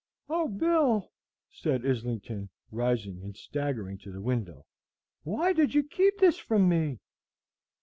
"O Bill," said Islington, rising and staggering to the window, "why did you keep this from me?"